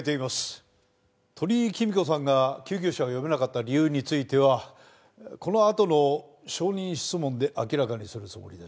鳥居貴美子さんが救急車を呼べなかった理由についてはこのあとの証人質問で明らかにするつもりです。